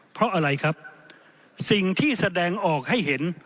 เพราะอะไรครับสิ่งที่แสดงออกให้เห็น